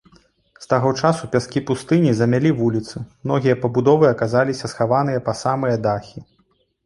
З таго часу пяскі пустыні замялі вуліцы, многія пабудовы аказаліся схаванымі па самыя дахі.